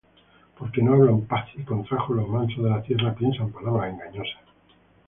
Porque no hablan paz; Y contra los mansos de la tierra piensan palabras engañosas.